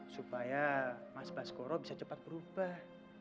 supaya mas baskoro bisa cepat berubah